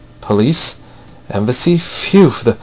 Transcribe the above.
Police! Embassy! Phew!